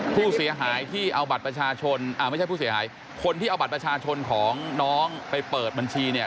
ผู้เสียหายที่เอาบัตรประชาชนอ่าไม่ใช่ผู้เสียหายคนที่เอาบัตรประชาชนของน้องไปเปิดบัญชีเนี่ย